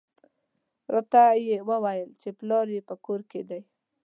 راته یې وویل چې پلار یې په کور کې دی.